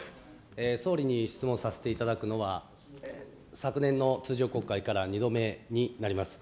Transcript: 総理に質問させていただくのは、昨年の通常国会から２度目になります。